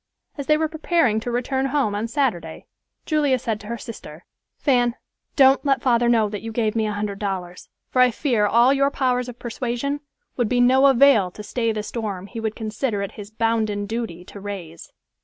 As they were preparing to return home on Saturday, Julia said to her sister, "Fan, don't let father know that you gave me a hundred dollars, for I fear all your powers of persuasion would be of no avail to stay the storm he would consider it his bounden duty to raise."